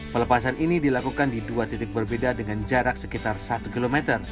pelepasan ini dilakukan di dua titik berbeda dengan jarak sekitar satu km